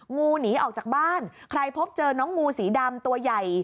งูหนีออกจากบ้านใครพบเจอน้องงูสีดำตัวใหญ่